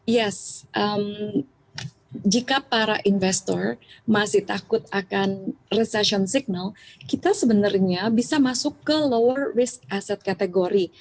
yes jika para investor masih takut akan resession signal kita sebenarnya bisa masuk ke lower risk asset category